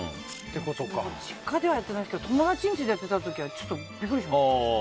実家ではやってないですけど友達の家でやってた時はビックリしました。